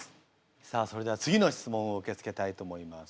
さあそれでは次の質問を受け付けたいと思います。